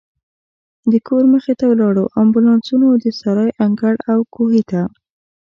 د کور مخې ته ولاړو امبولانسونو، د سرای انګړ او کوهي ته.